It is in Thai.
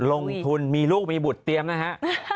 ลงทุนมีลูกมีบุตรเตรียมนะฮะ